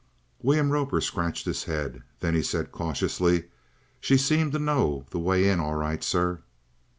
William Roper scratched his head. Then he said cautiously: "She seemed to know that way in all right, sir."